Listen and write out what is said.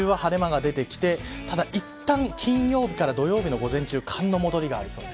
日中は晴れ間が出てきていったん、金曜日から土曜日の午前中、寒の戻りがありそう。